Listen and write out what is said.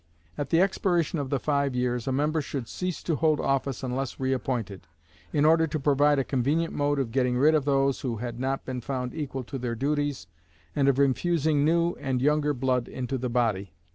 At the expiration of the five years a member should cease to hold office unless reappointed, in order to provide a convenient mode of getting rid of those who had not been found equal to their duties, and of infusing new and younger blood into the body.